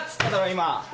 今。